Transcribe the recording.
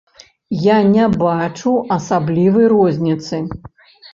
Я не бачу асаблівай розніцы.